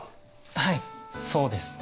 はいそうですね。